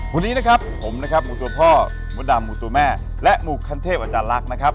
วันนี้นะครับผมนะครับหมู่ตัวพ่อมดดำหมู่ตัวแม่และหมู่คันเทพอาจารย์ลักษณ์นะครับ